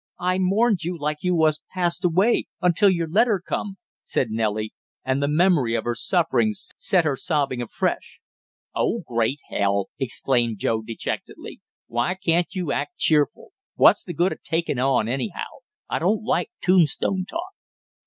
"I mourned you like you was passed away, until your letter come!" said Nellie, and the memory of her sufferings set her sobbing afresh. "Oh, great hell!" exclaimed Joe dejectedly. "Why can't you act cheerful? What's the good of takin' on, anyhow I don't like tombstone talk."